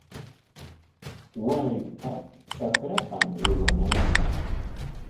Warayqa trakrapam aywananchik.